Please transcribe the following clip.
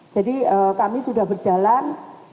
jadi kami sudah berjalan